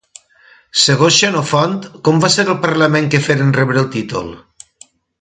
Segons Xenofont, com va ser el parlament que fer en rebre el títol?